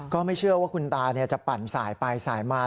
ก็ไม่เชื่อว่าคุณตาจะปั่นสายไปสายมา